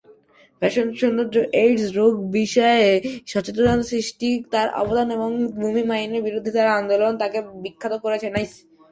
Fashion, সৌন্দর্য, AIDS রোগ বিষয়ে সচেতনতা সৃষ্টিতে তার অবদান, এবং ভূমি মাইনের বিরুদ্ধে তার আন্দোলন তাকে বিখ্যাত করেছে।